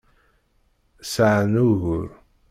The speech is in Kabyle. Sɛan ugur.